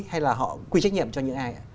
hay là họ quy trách nhiệm cho những ai